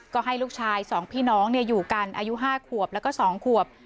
ก็ให้ลูกชาย๒พี่น้องอยู่กันอายุ๕ขวบแล้วก็๒ขวบ